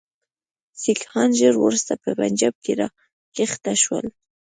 سیکهان ژر وروسته په پنجاب کې را کښته شول.